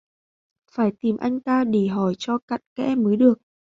Phải tìm anh ta để hỏi cho cặn kẽ mới được